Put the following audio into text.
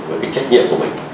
với cái trách nhiệm của mình